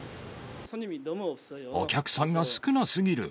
お客さんが少なすぎる。